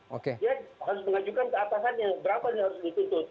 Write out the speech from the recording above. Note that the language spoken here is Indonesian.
dia harus mengajukan keatasannya berapa yang harus dituntut